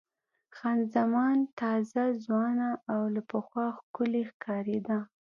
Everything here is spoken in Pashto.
خان زمان تازه، ځوانه او له پخوا ښکلې ښکارېده.